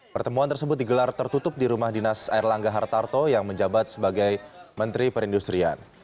pertemuan tersebut digelar tertutup di rumah dinas air langga hartarto yang menjabat sebagai menteri perindustrian